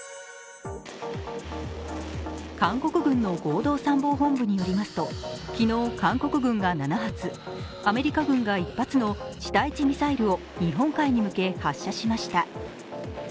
韓国軍の合同参謀本部によりますと昨日韓国軍が７発、アメリカ軍が１発の地対地ミサイルを日本海に向け発射しました。